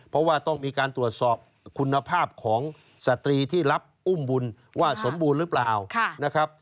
เพราะว่าต้องมีการตรวจสอบคุณภาพของสตรีที่รับอุ้มบุญว่าสมบูรณ์หรือเปล่านะครับ